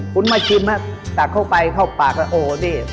คุณมาชิมก็ตากเข้าไปเข้าไปมได้น่ะ